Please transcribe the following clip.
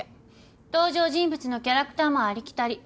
登場人物のキャラクターもありきたり。